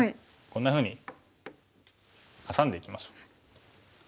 こんなふうにハサんでいきましょう。